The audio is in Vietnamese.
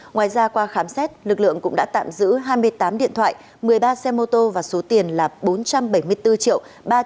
ngoài ra qua khám xét lực lượng cũng đã tạm giữ hai mươi tám điện thoại một mươi ba xe mô tô và số tiền là bốn trăm bảy mươi bốn triệu